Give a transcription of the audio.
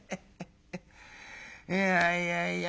いやいやいや